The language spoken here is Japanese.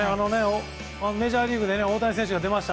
メジャーリーグで大谷選手が出ました